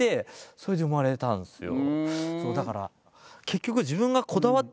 それで生まれたんですよ。